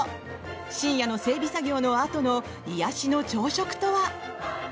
深夜の整備作業のあとの癒やしの朝食とは？